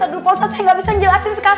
aduh ustadz saya gak bisa njelasin sekarang